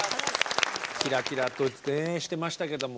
キラキラとねしてましたけども。